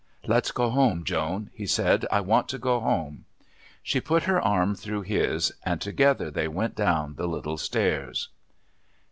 "Let's go home, Joan," he said. "I want to go home." She put her arm through his, and together they went down the little stairs.